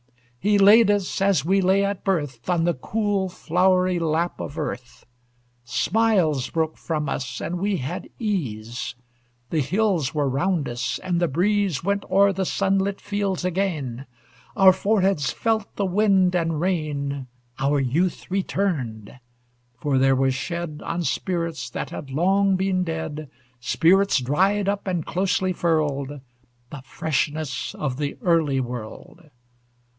He laid us as we lay at birth, On the cool, flowery lap of earth. Smiles broke from us and we had ease; The hills were round us, and the breeze Went o'er the sunlit fields again; Our foreheads felt the wind and rain, Our youth returned; for there was shed On spirits that had long been dead, Spirits dried up and closely furled, The freshness of the early world.